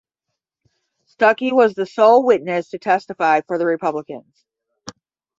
Stuckey was the sole witness to testify for the Republicans.